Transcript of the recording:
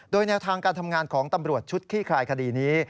โดยแนวทางการทำงานของตำรวจชุดขี้คลายคดีนี้